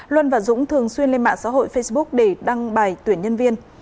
luân và dũng thường xuyên lên mạng xã hội facebook để đăng bài tuyển nhân viên